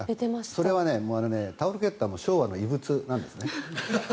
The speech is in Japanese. それはタオルケットは昭和の遺物なんですね。